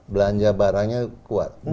belanja barangnya kuat